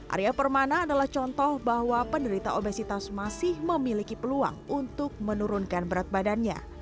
arya permana adalah contoh bahwa penderita obesitas masih memiliki peluang untuk menurunkan berat badannya